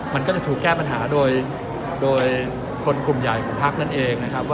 มันก็จะถูกแก้ปัญหาโดยคนกลุ่มใหญ่ของพักนั่นเองนะครับ